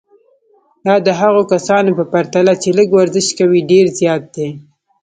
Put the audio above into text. دا د هغو کسانو په پرتله چې لږ ورزش کوي ډېر زیات دی.